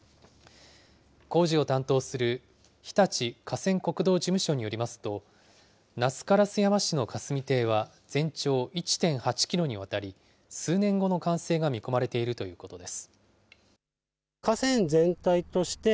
工事を担当する常陸河川国道事務所によりますと、那須烏山市の霞堤は全長１．８キロにわたり、数年後の完成が見込まれているということです。